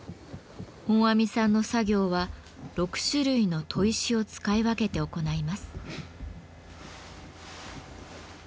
本阿弥さんの作業は６種類の砥石を使い分けて行います。